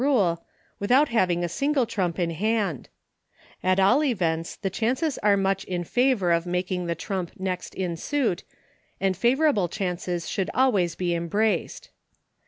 rule, without having a single trump in hand At all events the chances are much in favor of making the trump next in suit, and favor ble chances should always be embraced.